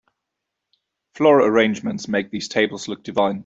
Floral arrangements make these tables look divine.